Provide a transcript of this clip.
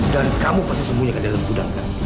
dan kamu pasti sembunyikan dia dalam gudang kan